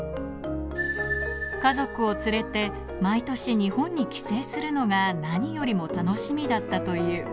家族を連れて、毎年日本に帰省するのが何よりも楽しみだったという。